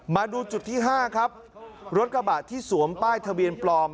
มาดูจุดที่๕ครับรถกระบะที่สวมป้ายทะเบียนปลอม